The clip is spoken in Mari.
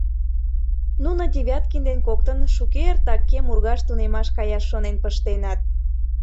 — Нуно Девяткин ден коктын шукертак кем ургаш тунемаш каяш шонен пыштеныт.